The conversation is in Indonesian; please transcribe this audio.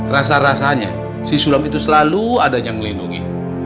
rasa rasanya si sulang itu selalu adanya yang melindungi